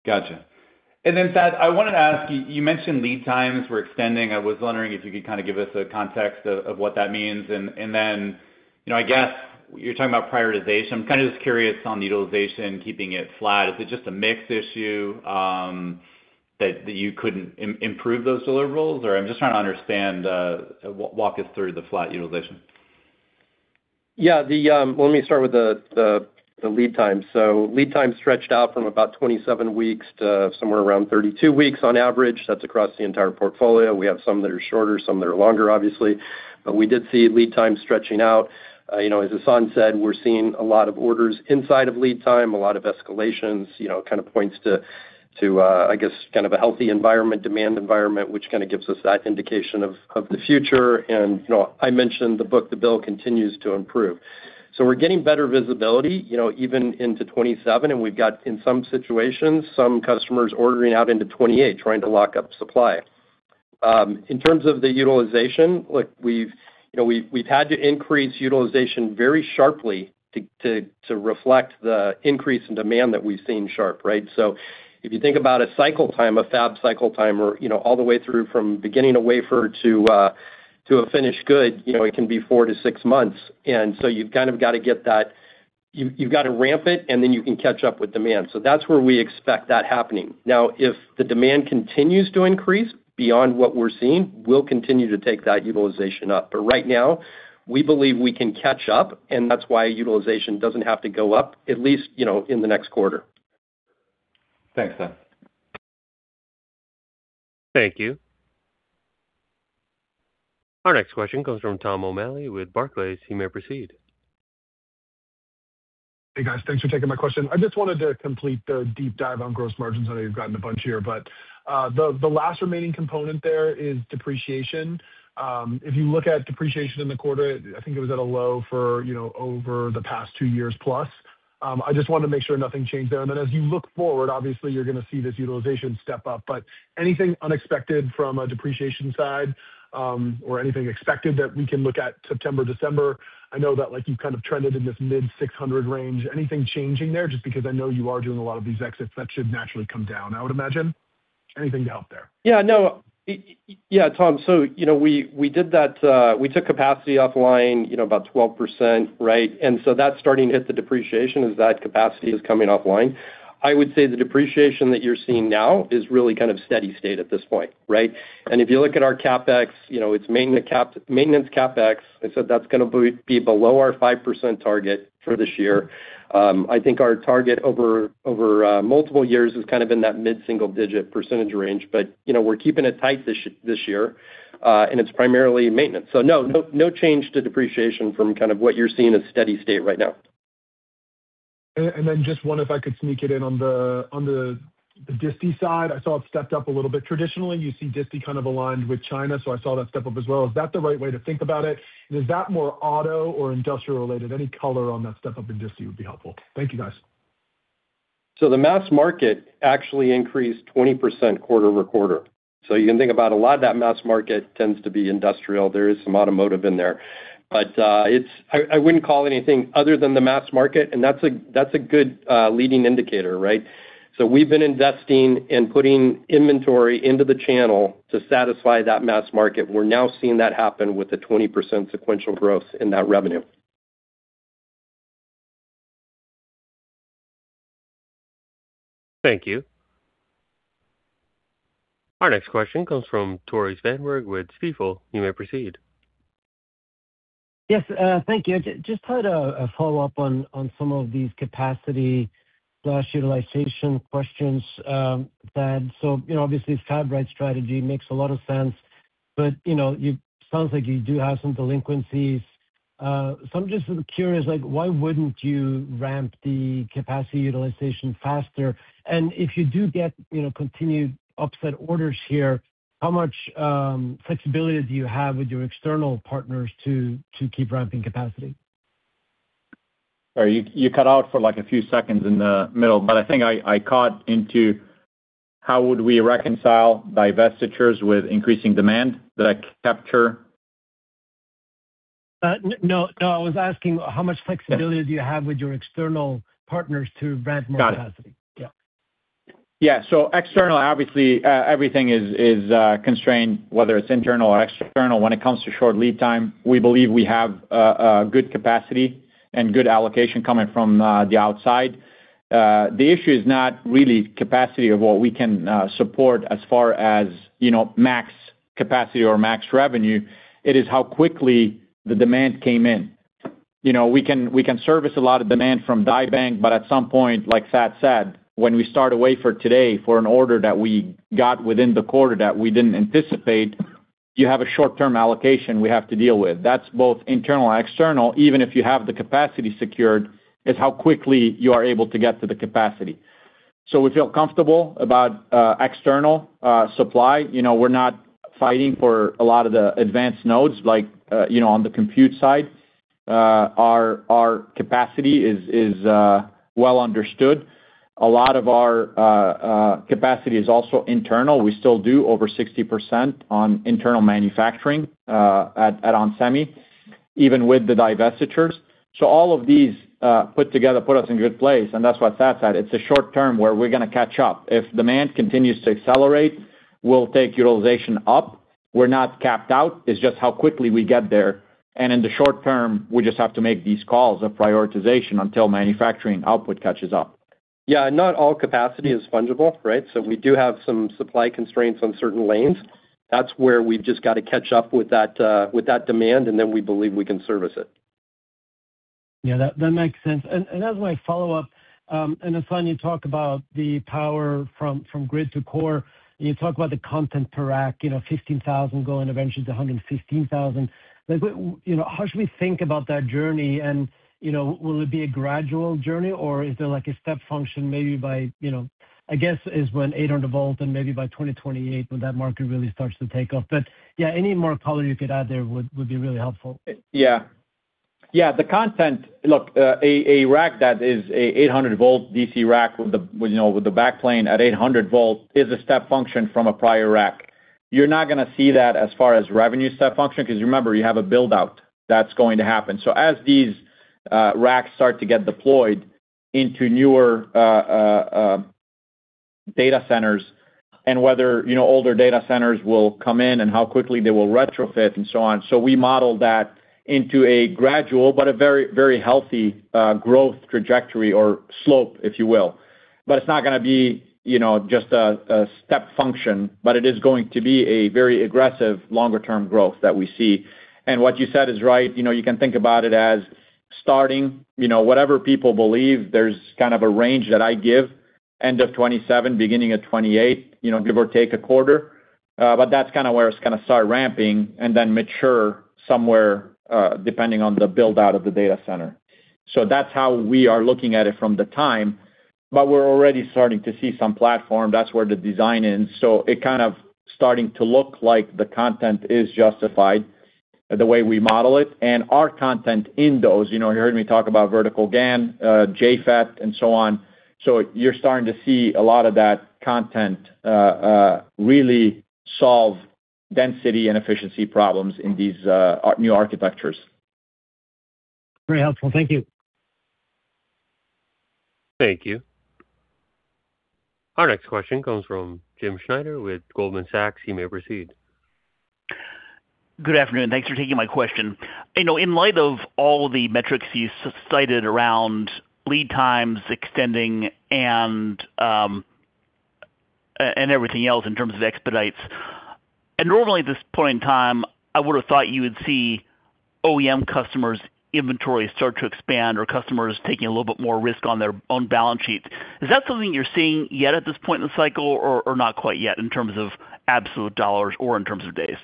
Got you. Thad, I wanted to ask you mentioned lead times were extending. I was wondering if you could kind of give us a context of what that means. I guess you're talking about prioritization. I'm kind of just curious on the utilization, keeping it flat. Is it just a mix issue that you couldn't improve those deliverables? I'm just trying to understand, walk us through the flat utilization. Let me start with the lead time. Lead time stretched out from about 27 weeks to somewhere around 32 weeks on average. That's across the entire portfolio. We have some that are shorter, some that are longer, obviously. We did see lead time stretching out. As Hassane said, we're seeing a lot of orders inside of lead time, a lot of escalations, kind of points to, I guess, kind of a healthy environment, demand environment, which kind of gives us that indication of the future. I mentioned the book-to-bill continues to improve. We're getting better visibility even into 2027, and we've got, in some situations, some customers ordering out into 2028 trying to lock up supply. In terms of the utilization, we've had to increase utilization very sharply to reflect the increase in demand that we've seen sharp, right? If you think about a cycle time, a fab cycle time, all the way through from beginning a wafer to a finished good, it can be four to six months. You've got to ramp it, and then you can catch up with demand. That's where we expect that happening. If the demand continues to increase beyond what we're seeing, we'll continue to take that utilization up. Right now, we believe we can catch up, and that's why utilization doesn't have to go up, at least in the next quarter. Thanks, Thad. Thank you. Our next question comes from Tom O'Malley with Barclays. You may proceed. Hey, guys. Thanks for taking my question. I just wanted to complete the deep dive on gross margins. I know you've gotten a bunch here. The last remaining component there is depreciation. If you look at depreciation in the quarter, I think it was at a low for over the past 2+ years. I just want to make sure nothing changed there. As you look forward, obviously, you're going to see this utilization step up, but anything unexpected from a depreciation side, or anything expected that we can look at September, December? I know that you've kind of trended in this mid-600 range. Anything changing there? Because I know you are doing a lot of these exits, that should naturally come down, I would imagine. Anything to help there? Yeah. No. Tom, we took capacity offline about 12%, right? That's starting to hit the depreciation as that capacity is coming offline. I would say the depreciation that you're seeing now is really kind of steady state at this point, right? If you look at our CapEx, it's maintenance CapEx, and that's going to be below our 5% target for this year. I think our target over multiple years has kind of been that mid-single digit percentage range. We're keeping it tight this year, and it's primarily maintenance. No change to depreciation from kind of what you're seeing as steady state right now. Just one, if I could sneak it in on the disti side. I saw it stepped up a little bit. Traditionally, you see disti kind of aligned with China, so I saw that step up as well. Is that the right way to think about it? Is that more auto or industrial related? Any color on that step up in disti would be helpful. Thank you, guys. The mass market actually increased 20% quarter-over-quarter. You can think about a lot of that mass market tends to be industrial. There is some automotive in there. I wouldn't call anything other than the mass market, and that's a good leading indicator, right? We've been investing in putting inventory into the channel to satisfy that mass market. We're now seeing that happen with the 20% sequential growth in that revenue. Thank you. Our next question comes from Tore Svanberg with Stifel. You may proceed. Yes. Thank you. I just had a follow-up on some of these capacity/utilization questions, Thad. Obviously, Fab Right strategy makes a lot of sense. It sounds like you do have some delinquencies. I'm just curious, why wouldn't you ramp the capacity utilization faster? If you do get continued offset orders here, how much flexibility do you have with your external partners to keep ramping capacity? Sorry, you cut out for a few seconds in the middle, but I think I caught into how would we reconcile divestitures with increasing demand? Did I capture? No. I was asking how much flexibility do you have with your external partners to ramp more capacity? Got it. Yeah. Yeah. External, obviously, everything is constrained, whether it's internal or external, when it comes to short lead time. We believe we have a good capacity and good allocation coming from the outside. The issue is not really capacity of what we can support as far as max capacity or max revenue. It is how quickly the demand came in. We can service a lot of demand from die bank, but at some point, like Thad said, when we start a wafer today for an order that we got within the quarter that we didn't anticipate, you have a short-term allocation we have to deal with. That's both internal and external, even if you have the capacity secured, is how quickly you are able to get to the capacity. We feel comfortable about external supply. We're not fighting for a lot of the advanced nodes on the compute side. Our capacity is well understood. A lot of our capacity is also internal. We still do over 60% on internal manufacturing at onsemi, even with the divestitures. All of these put together put us in a good place, and that's why Thad said it's a short term where we're going to catch up. If demand continues to accelerate, we'll take utilization up. We're not capped out. It's just how quickly we get there. In the short term, we just have to make these calls of prioritization until manufacturing output catches up. Not all capacity is fungible, right? We do have some supply constraints on certain lanes. That's where we've just got to catch up with that demand, and then we believe we can service it. That makes sense. As my follow-up, Hassane, you talk about the power from grid to core, and you talk about the content per rack, $15,000 going eventually to $115,000. How should we think about that journey, and will it be a gradual journey, or is there like a step function maybe by, I guess it's when 800 volt and maybe by 2028 when that market really starts to take off. Any more color you could add there would be really helpful. The content, look, a rack that is a 800 volt DC rack with the back plane at 800 volts is a step function from a prior rack. You're not going to see that as far as revenue step function, because remember, you have a build-out that's going to happen. As these racks start to get deployed into newer data centers, and whether older data centers will come in and how quickly they will retrofit and so on. We model that into a gradual, but a very healthy growth trajectory or slope, if you will. It's not going to be just a step function, but it is going to be a very aggressive, longer-term growth that we see. What you said is right. You can think about it as starting, whatever people believe, there's kind of a range that I give, end of 2027, beginning of 2028, give or take a quarter. That's where it's going to start ramping and then mature somewhere, depending on the build-out of the data center. That's how we are looking at it from the time, but we're already starting to see some platform. That's where the design is. It kind of starting to look like the content is justified the way we model it. And our content in those, you heard me talk about vertical GaN, JFET, and so on. You're starting to see a lot of that content really solve density and efficiency problems in these new architectures. Very helpful. Thank you. Thank you. Our next question comes from Jim Schneider with Goldman Sachs. You may proceed. Good afternoon. Thanks for taking my question. In light of all the metrics you cited around lead times extending and everything else in terms of expedites, Normally at this point in time, I would've thought you would see OEM customers' inventory start to expand or customers taking a little bit more risk on their own balance sheets. Is that something you're seeing yet at this point in the cycle or not quite yet in terms of absolute dollar or in terms of days?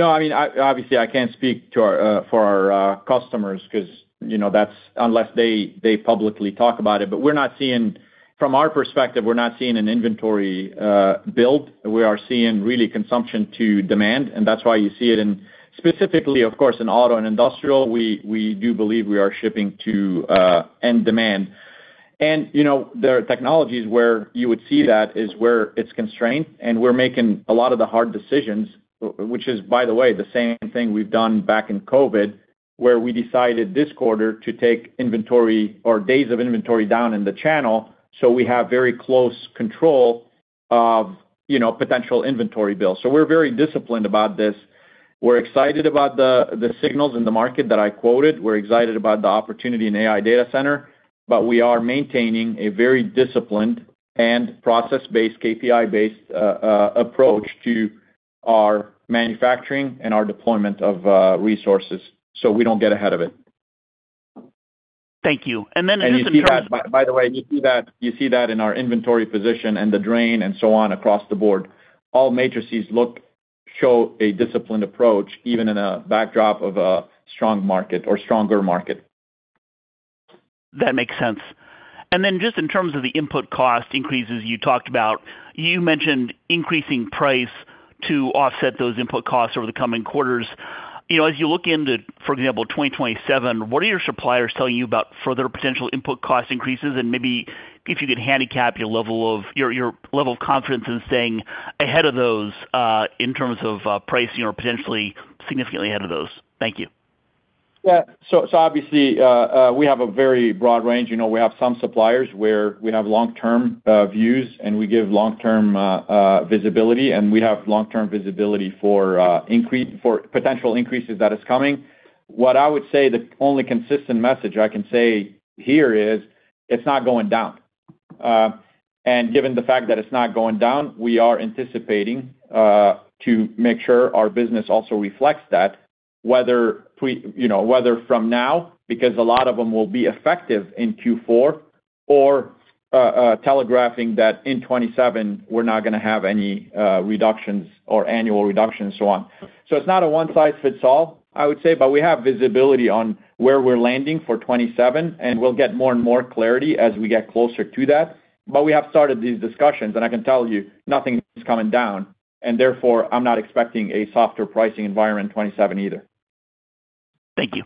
Obviously, I can't speak for our customers because unless they publicly talk about it, but from our perspective, we're not seeing an inventory build. We are seeing really consumption to demand, and that's why you see it in specifically, of course, in auto and industrial. We do believe we are shipping to end demand. There are technologies where you would see that is where it's constrained, and we're making a lot of the hard decisions, which is, by the way, the same thing we've done back in COVID, where we decided this quarter to take inventory or days of inventory down in the channel, so we have very close control of potential inventory build. We're very disciplined about this. We're excited about the signals in the market that I quoted. We're excited about the opportunity in AI data center, but we are maintaining a very disciplined and process-based, KPI-based approach to our manufacturing and our deployment of resources, so we don't get ahead of it. Thank you. Just in terms- By the way, you see that in our inventory position and the drain and so on across the board. All matrices show a disciplined approach, even in a backdrop of a strong market or stronger market. That makes sense. Just in terms of the input cost increases you talked about, you mentioned increasing price to offset those input costs over the coming quarters. As you look into, for example, 2027, what are your suppliers telling you about further potential input cost increases? Maybe if you could handicap your level of confidence in staying ahead of those in terms of pricing or potentially significantly ahead of those. Thank you. Yeah. Obviously, we have a very broad range. We have some suppliers where we have long-term views, and we give long-term visibility, and we have long-term visibility for potential increases that is coming. What I would say, the only consistent message I can say here is it's not going down. Given the fact that it's not going down, we are anticipating to make sure our business also reflects that, whether from now, because a lot of them will be effective in Q4 or telegraphing that in 2027, we're not going to have any reductions or annual reductions and so on. It's not a one-size-fits-all, I would say, but we have visibility on where we're landing for 2027, and we'll get more and more clarity as we get closer to that. We have started these discussions, and I can tell you, nothing is coming down, and therefore, I'm not expecting a softer pricing environment in 2027 either. Thank you.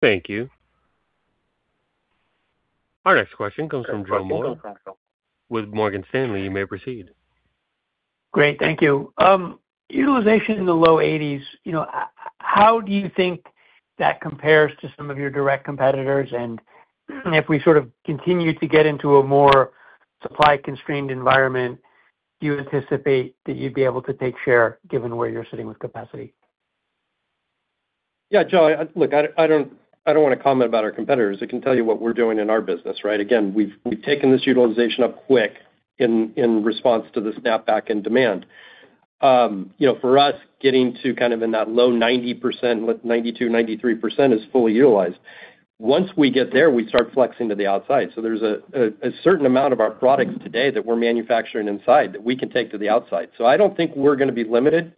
Thank you. Our next question comes from Joe Moore with Morgan Stanley. You may proceed. Great. Thank you. Utilization in the low 80s, how do you think that compares to some of your direct competitors? If we sort of continue to get into a more supply-constrained environment, do you anticipate that you'd be able to take share given where you're sitting with capacity? Yeah. Joe, look, I don't want to comment about our competitors. I can tell you what we're doing in our business, right? Again, we've taken this utilization up quick in response to the snapback in demand. For us, getting to kind of in that low 90%, 92%, 93% is fully utilized. Once we get there, we start flexing to the outside. There's a certain amount of our products today that we're manufacturing inside that we can take to the outside. I don't think we're going to be limited.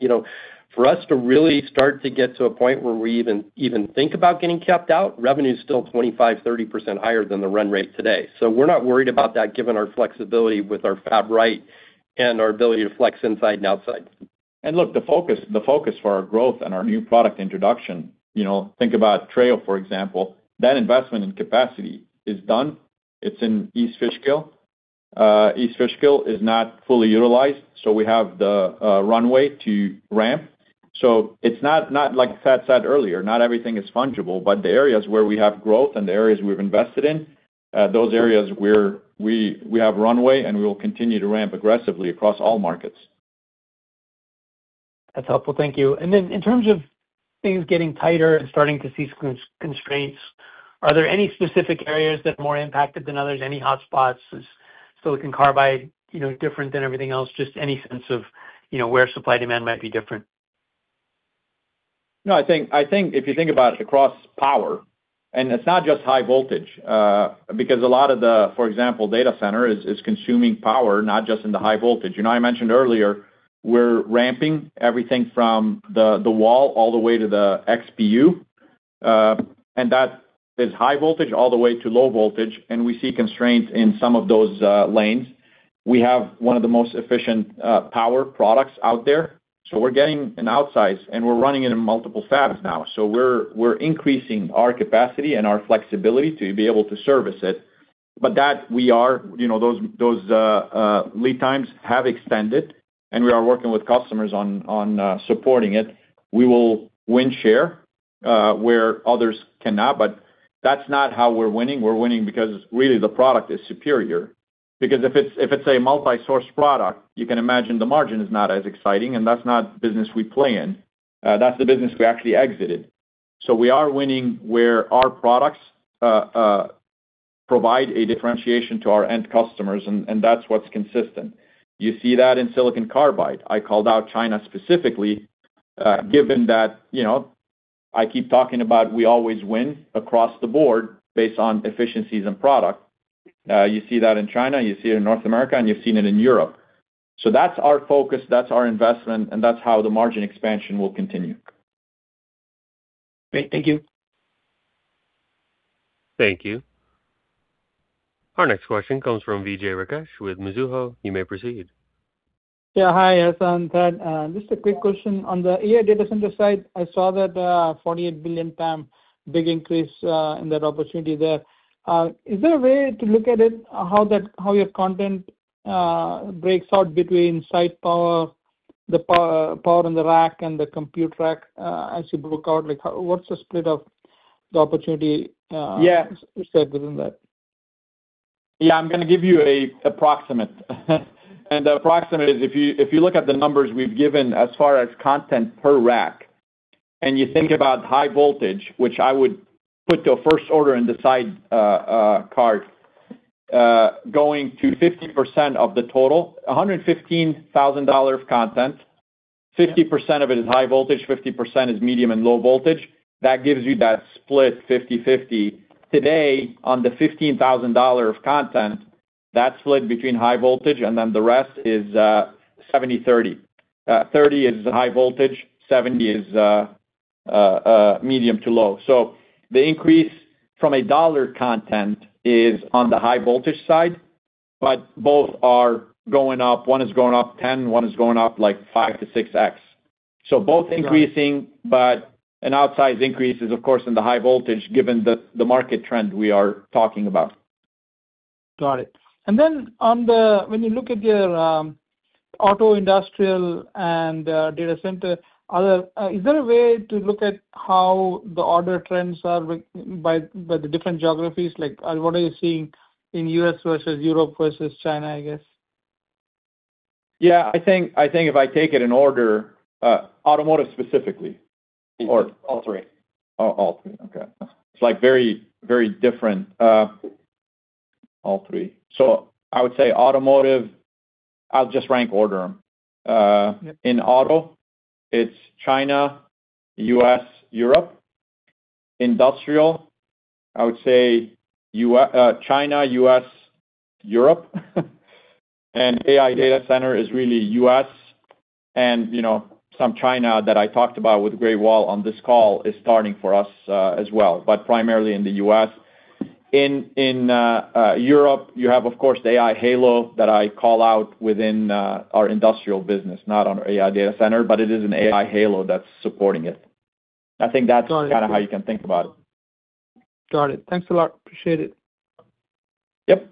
For us to really start to get to a point where we even think about getting capped out, revenue's still 25%, 30% higher than the run-rate today. We're not worried about that given our flexibility with our Fab Right Our ability to flex inside and outside. Look, the focus for our growth and our new product introduction, think about Treo, for example, that investment in capacity is done. It's in East Fishkill. East Fishkill is not fully utilized, so we have the runway to ramp. Like Thad said earlier, not everything is fungible, but the areas where we have growth and the areas we've invested in, those areas we have runway, and we will continue to ramp aggressively across all markets. That's helpful. Thank you. Then in terms of things getting tighter and starting to see constraints, are there any specific areas that are more impacted than others? Any hotspots? Is silicon carbide different than everything else? Just any sense of where supply-demand might be different. If you think about it across power, it's not just high voltage, because a lot of the, for example, data center is consuming power, not just in the high voltage. You know how I mentioned earlier, we're ramping everything from the wall all the way to the XPU, that is high voltage all the way to low voltage, and we see constraints in some of those lanes. We have one of the most efficient power products out there. We're getting an outsize, and we're running it in multiple fabs now. We're increasing our capacity and our flexibility to be able to service it. Those lead times have extended, and we are working with customers on supporting it. We will win share where others cannot, that's not how we're winning. We're winning because really the product is superior. If it's a multi-source product, you can imagine the margin is not as exciting, that's not the business we play in. That's the business we actually exited. We are winning where our products provide a differentiation to our end customers, that's what's consistent. You see that in silicon carbide. I called out China specifically, given that I keep talking about we always win across the board based on efficiencies and product. You see that in China, you see it in North America, you've seen it in Europe. That's our focus, that's our investment, and that's how the margin expansion will continue. Great. Thank you. Thank you. Our next question comes from Vijay Rakesh with Mizuho. You may proceed. Hi, Hassane, Thad. Just a quick question. On the AI data center side, I saw that $48 billion TAM, big increase in that opportunity there. Is there a way to look at it, how your content breaks out between site power, the power in the rack, and the compute rack as you broke out? What's the split of the opportunity- Yeah within that? Yeah, I'm going to give you an approximate. The approximate is, if you look at the numbers we've given as far as content per rack, you think about high voltage, which I would put to a first order in the sidecar, going to 50% of the total, $115,000 of content, 50% of it is high voltage, 50% is medium and low voltage. That gives you that split 50/50. Today, on the $15,000 of content, that split between high voltage and then the rest is 70/30. 30 is the high voltage, 70 is medium to low. The increase from a dollar content is on the high voltage side, but both are going up. One is going up 10, one is going up 5x to 6x. Both increasing, but an outsize increase is of course in the high voltage given the market trend we are talking about. Got it. When you look at your auto industrial and data center, is there a way to look at how the order trends are by the different geographies? What are you seeing in U.S. versus Europe versus China, I guess? Yeah, I think if I take it in order, automotive specifically or- All three. Oh, all three. Okay. It's very different. All three. I would say automotive, I'll just rank order them. Yeah. In auto, it's China, U.S., Europe. Industrial, I would say China, U.S., Europe. AI data center is really U.S. and some China that I talked about with Great Wall on this call is starting for us as well, but primarily in the U.S. In Europe, you have, of course, the AI halo that I call out within our industrial business, not on our AI data center, but it is an AI halo that's supporting it. I think that's kind of how you can think about it. Got it. Thanks a lot. Appreciate it. Yep.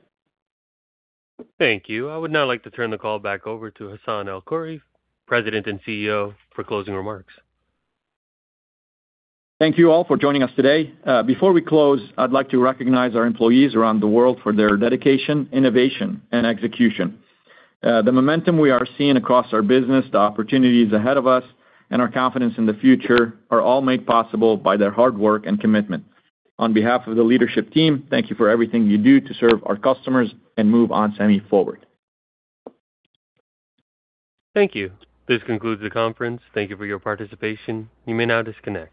Thank you. I would now like to turn the call back over to Hassane El-Khoury, President and CEO, for closing remarks. Thank you all for joining us today. Before we close, I'd like to recognize our employees around the world for their dedication, innovation, and execution. The momentum we are seeing across our business, the opportunities ahead of us, and our confidence in the future are all made possible by their hard work and commitment. On behalf of the leadership team, thank you for everything you do to serve our customers and move ON Semiconductor forward. Thank you. This concludes the conference. Thank you for your participation. You may now disconnect.